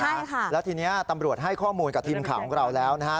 ค่ะแล้วทีเนี้ยตำรวจให้ข้อมูลกับทีมข่าวของเราแล้วนะฮะ